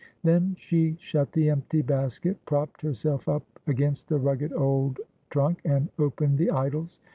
Then she shut the empty basket, propped herself up against the rugged old trunk, and opened the ' Idylls.'